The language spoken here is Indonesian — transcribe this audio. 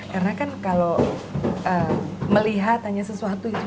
karena kan kalau melihat hanya sesuatu itu